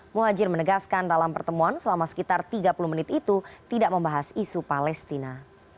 muhajir menegaskan dalam pertemuan selama sekitar tiga puluh menit itu tidak membahas isu palestina